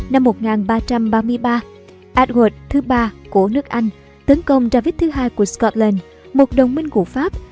năm một nghìn ba trăm ba mươi ba edward iii của nước anh tấn công david ii của scotland một đồng minh của pháp